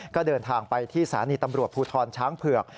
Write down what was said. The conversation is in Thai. ก็เดินทางไปที่สถานีตำรวจภูทรช้างเผือก